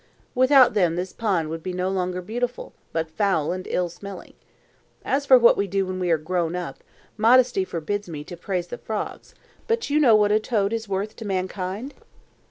Without them this pond would be no longer beautiful, but foul and ill smelling. As for what we do when we are grown up, modesty forbids me to praise the frogs, but you know what a toad is worth to mankind?"